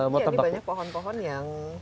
ya ini banyak pohon pohon yang